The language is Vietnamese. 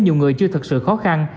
có nhiều người chưa thật sự khó khăn